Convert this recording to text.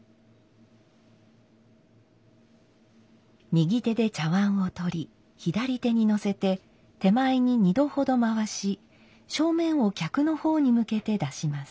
右手で茶碗を取り左手にのせて手前に２度ほど回し正面を客の方に向けて出します。